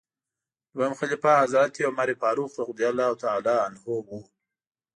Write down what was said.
دویم خلیفه حضرت عمر فاروق رض و.